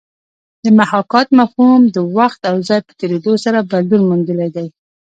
د محاکات مفهوم د وخت او ځای په تېرېدو سره بدلون موندلی دی